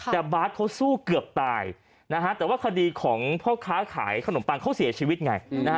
แต่บาทเขาสู้เกือบตายนะฮะแต่ว่าคดีของพ่อค้าขายขนมปังเขาเสียชีวิตไง